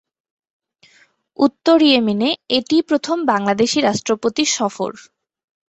উত্তর ইয়েমেনে এটিই প্রথম বাংলাদেশী রাষ্ট্রপতি সফর।